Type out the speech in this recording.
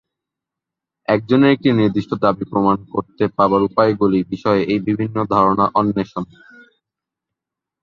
একজনের একটি নির্দিষ্ট দাবি প্রমাণ করতে পারার উপায়গুলি বিষয়ে এই বিভিন্ন ধারণা অন্বেষণ।